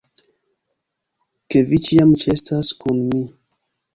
... ke vi ĉiam ĉeestas kun mi!